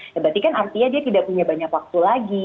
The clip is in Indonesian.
berarti kan artinya dia tidak punya banyak waktu lagi